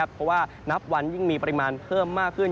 เพราะว่านับวันยิ่งมีปริมาณเพิ่มมากขึ้น